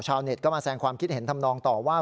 ชาวเน็ตก็มาแสงความคิดเห็นทำนองต่อว่า